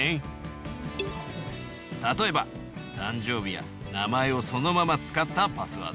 例えば誕生日や名前をそのまま使ったパスワード。